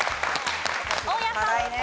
大家さん。